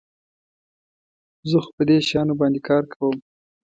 زه خو په دې شیانو باندي کار کوم.